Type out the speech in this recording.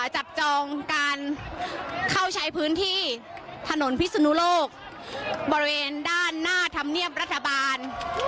จับจองการเข้าใช้พื้นที่ถนนพิศนุโลกบริเวณด้านหน้าธรรมเนียบรัฐบาล